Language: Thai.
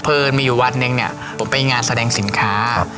เอิญมีอยู่วันหนึ่งเนี่ยผมไปงานแสดงสินค้า